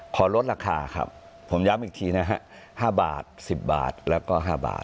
ลดราคาครับผมย้ำอีกทีนะฮะ๕บาท๑๐บาทแล้วก็๕บาท